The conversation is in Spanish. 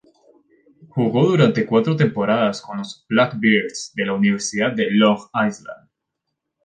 Jugó durante cuatro temporadas con los "Blackbirds" de la Universidad de Long Island.